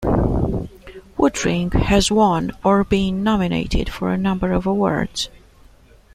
Woodring has won or been nominated for a number of awards.